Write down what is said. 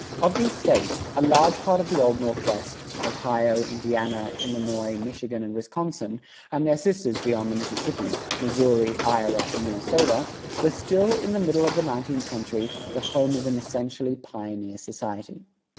Of these States, a large part of the old Northwest, Ohio, Indiana, Illinois, Michigan and Wisconsin; and their sisters beyond the Mississippi Missouri, Iowa and Minnesota were still, in the middle of the nineteenth century, the home of an essentially pioneer society.